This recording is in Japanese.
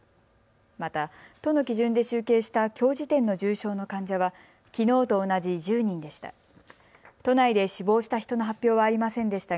また、都の基準で集計したきょう時点の重症の患者はきのうと同じ１０人でした。